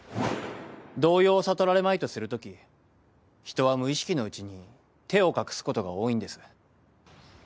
動揺を悟られまいとするとき人は無意識のうちに手を隠すことが多いんです。